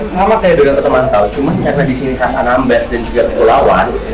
betul sama kayak donat atau teman tau cuma karena disini khas anambes dan juga kulawan